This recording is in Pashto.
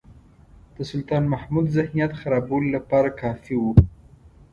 د سلطان محمود ذهنیت خرابولو لپاره کافي وو.